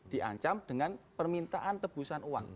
diancam dengan permintaan tebusan uang